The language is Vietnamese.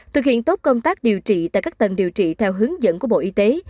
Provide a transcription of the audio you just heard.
thực hiện tốt công tác điều trị tại các tầng điều trị theo hướng dẫn của bộ y tế